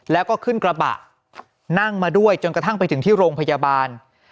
แล้วก็ขึ้นกระบะนั่งมาด้วยจนกระทั่งไปถึงที่โรงพยาบาล